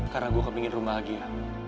karena gue kepingin rumah dia